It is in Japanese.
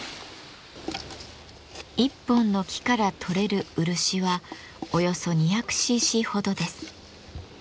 一本の木からとれる漆はおよそ２００ｃｃほどです。